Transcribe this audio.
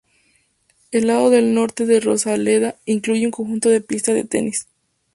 El lado norte de la rosaleda incluye un conjunto de pistas de tenis.